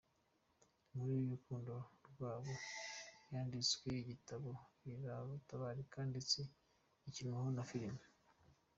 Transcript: Inkuru y’urukundo rwabo yanditsweho ibitabo bitabarika ndetse ikinwaho na filimi.